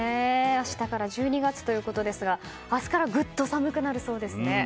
明日から１２月ということですが明日からぐっと寒くなるそうですね。